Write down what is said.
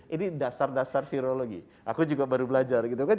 ini dasar dasar virologi aku juga baru belajar gitu kan